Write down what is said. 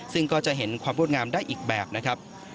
ซึ่งก็จะเห็นความรวดงามได้อีกแบบนะครับ